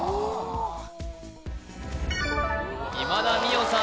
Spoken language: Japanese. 今田美桜さん